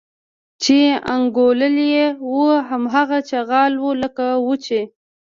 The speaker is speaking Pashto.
چې انګوللي یې وو هماغه چغال و لکه وو چې.